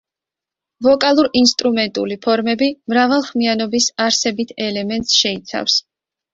ვოკალურ-ინსტრუმენტული ფორმები მრავალხმიანობის არსებით ელემენტს შეიცავს.